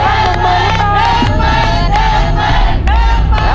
แล้วโบนัสหลังตู้หมายเลขสามคือ